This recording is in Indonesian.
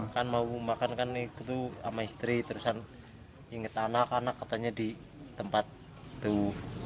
kan mau makan kan itu sama istri terusan nginget anak anak katanya di tempat itu